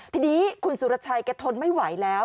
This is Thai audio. ทีนี้คุณสุรชัยแกทนไม่ไหวแล้ว